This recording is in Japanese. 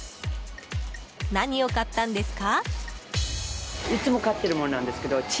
何を買ったんですか？